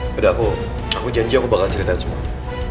pada aku aku janji aku bakal cerita semua